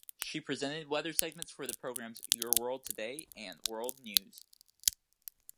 She presented weather segments for the programs "Your World Today" and "World News".